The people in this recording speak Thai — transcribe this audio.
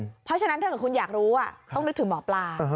เพราะฉะนั้นถ้าเกิดคุณอยากรู้ต้องนึกถึงหมอปลา